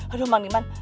aduh mang diman